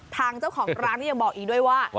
ทางเจ้าของร้านก็ยังบอกอีกด้วยว่า